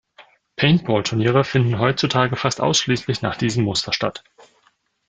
Paintball-Turniere finden heutzutage fast ausschließlich nach diesem Muster statt.